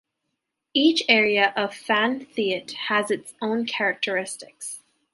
Each area of Phan Thiet has its own characteristics.